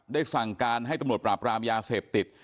สั่งการให้ตำรวจปราบรามยาเสพติด